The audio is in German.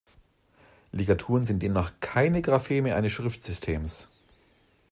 Ligaturen sind demnach keine Grapheme eines Schriftsystems.